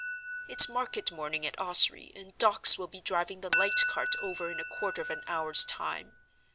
It's market morning at Ossory, and Dawkes will be driving the light cart over in a quarter of an hour's time.